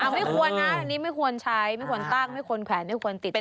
ไม่ควรนะอันนี้ไม่ควรใช้ไม่ควรตั้งไม่ควรแขวนไม่ควรติด